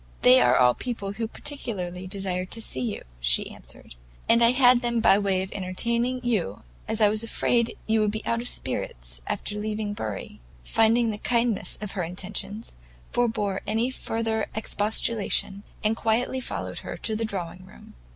"They are all people who particularly desired to see you," she answered, "and I had them by way of entertaining you, as I was afraid you would be out of spirits at leaving Bury." Cecilia, finding the kindness of her intentions, forbore any further expostulation, and quietly followed her to the drawing room.